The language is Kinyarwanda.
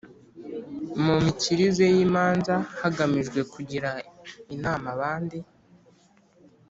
mu mikirize y’imanza hagamijwe kugira inama abandi